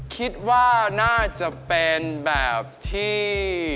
คิดว่าน่าจะเป็นแบบที่